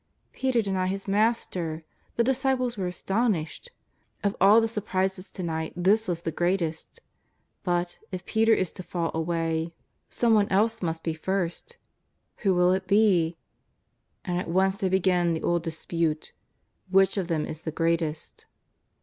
Peter deny his Master ! The disciples were as tonished. Of all the surprises to night this was the greatest But, if Peter is to fall away, some one JESUS OF NAZARETH. S33 else must be first. Who will it be ? And at once the}' begin the old dispute — which of them is the greatest.